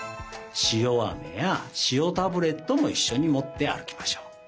塩あめや塩タブレットもいっしょにもってあるきましょう。